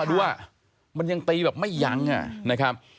ดูอ่ะมันยังตีแบบไม่ยังอะ